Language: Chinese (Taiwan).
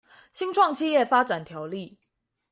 新創企業發展條例